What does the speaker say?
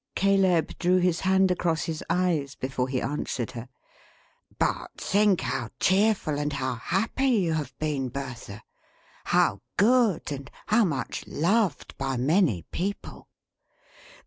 Caleb drew his hand across his eyes before he answered her. "But think how cheerful and how happy you have been, Bertha! How good, and how much loved, by many people."